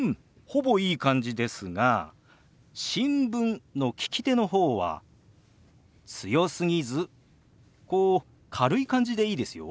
ほぼいい感じですが「新聞」の利き手の方は強すぎずこう軽い感じでいいですよ。